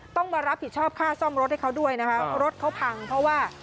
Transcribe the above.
ต้องมารับผิดชอบค่าซ่อมรถให้เขาด้วยนะคะรถเขาพังเพราะว่า